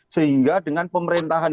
sehingga dengan pemerintahan